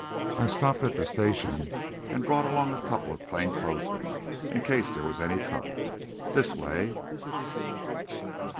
I stopped at the station and brought along a couple of plain clothes men, in case there was any trouble. This way."